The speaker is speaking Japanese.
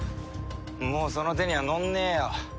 もうその手にはのらねえよ。